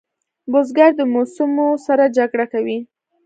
بزګر د موسمو سره جګړه کوي